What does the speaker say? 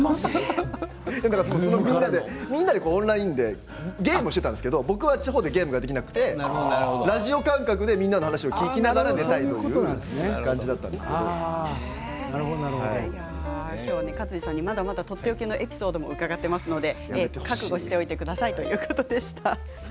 みんなでオンラインゲームをしていたんですけど僕は地方でゲームができなくてラジオ感覚でそういうことね今日は勝地さんにまだまだとっておきのエピソードも伺っていますので覚悟しておいてくださいということでした。